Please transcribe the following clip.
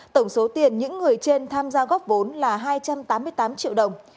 tổng số tiền những người trên tham gia góp vốn là hai trăm tám mươi tám triệu đồng